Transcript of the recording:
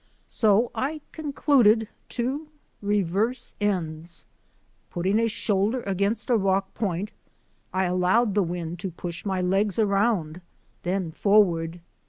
So I con cluded to reverse ends. Putting a shoulder against a rock point, I allowed the wind to push my legs around, then forward.